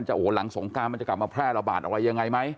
โอ้โหหลังสงการมันจะกลับมาแพร่ระบาดอะไรยังไงไหม